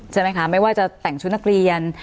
ใช่ไหมคะไม่ว่าจะแต่งชุดนักเรียน